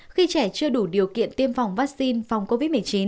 khi trẻ chưa đủ điều kiện tiêm phòng vaccine phòng covid một mươi chín